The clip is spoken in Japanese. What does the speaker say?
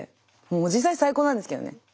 もう実際最高なんですけどね。